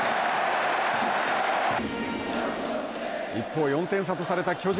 一方、４点差とされた巨人。